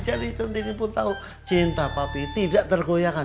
jadi centini pun tahu cinta papi tidak tergoyangkan